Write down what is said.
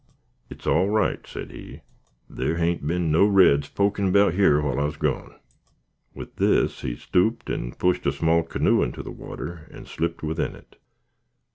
"It's all right," said he, "there hain't been no reds poki' 'bout yer while I's gone." With this he stooped and pushed a small canoe into the water and slipped within it.